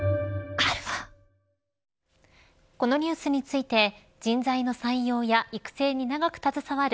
このニュースについて人材の採用や育成に長く携わる